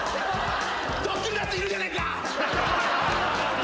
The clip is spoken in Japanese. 『ドッキリ』のやついるじゃねえか。